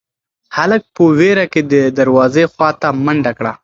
هلک په وېره کې د دروازې خواته منډه کړه.